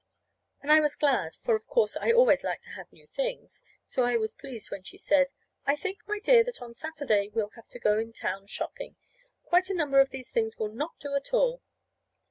And I was glad; for, of course, I always like to have new things. So I was pleased when she said: "I think, my dear, that on Saturday we'll have to go in town shopping. Quite a number of these things will not do at all."